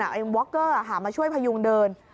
ไอ้ว๊อกเกอร์หามาช่วยพยุงเดิน